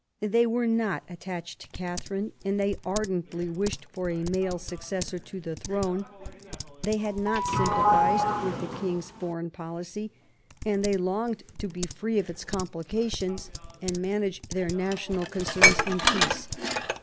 They were not attached to Catherine, and they ardently wished for a male successor to the throne. They had not sympathised with the King's foreign policy, and they longed to be free from its complications, and manage their national concerns in peace.